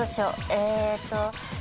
えーっと。